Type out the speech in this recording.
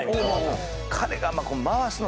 彼が。